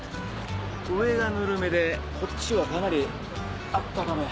上がぬるめでこっちはかなりあったかめ。